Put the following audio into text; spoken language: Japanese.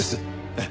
ええ。